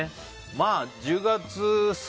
まあ１０月末？